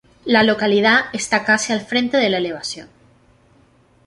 La localidad está casi al frente de la elevación.